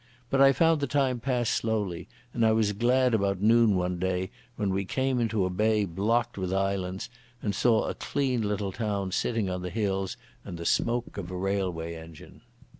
But I found the time pass slowly, and I was glad that about noon one day we came into a bay blocked with islands and saw a clean little town sitting on the hills and the smoke of a railway engine.